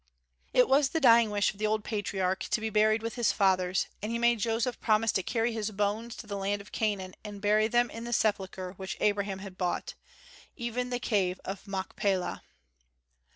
It was the dying wish of the old patriarch to be buried with his fathers, and he made Joseph promise to carry his bones to the land of Canaan and bury them in the sepulchre which Abraham had bought, even the cave of Machpelah.